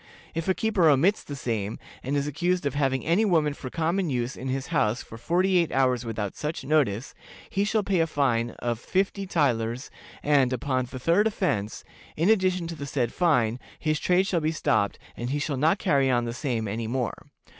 If a keeper omits the same, and is accused of having any woman for common use in his house for forty eight hours without such notice, he shall pay a fine of fifty thalers, and, upon the third offense, in addition to the said fine, his trade shall be stopped, and he shall not carry on the same any more.